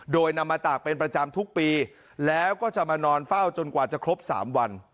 โดยนำมาตากเป็นประจำทุกปีแล้วก็จะมานอนเฝ้าจนกว่าจะครบ๓วัน